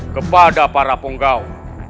kepada para ponggau